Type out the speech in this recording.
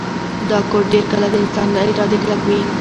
دا کوډ ډیر کله د انسان له ارادې کلک وي